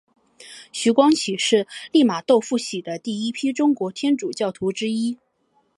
徐光启是利玛窦付洗的第一批中国天主教徒之一。